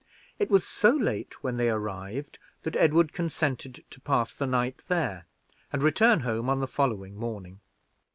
It was so late when they arrived, that Edward consented to pass the night there, and return home on the following morning.